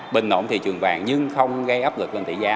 bình ổn thị trường vàng nhưng không gây áp lực lên tỷ giá